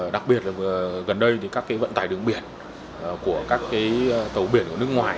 đặc biệt là gần đây thì các cái vận tải đường biển của các cái tàu biển nước ngoài